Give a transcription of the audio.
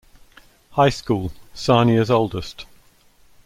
High School, Sarnia's oldest.